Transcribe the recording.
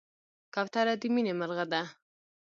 کوتره د مینې مرغه ده.